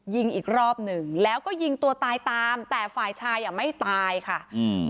ยิงอีกรอบหนึ่งแล้วก็ยิงตัวตายตามแต่ฝ่ายชายอ่ะไม่ตายค่ะอืม